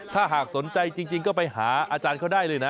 ถ้าหากสนใจจริงก็ไปหาอาจารย์เขาได้เลยนะ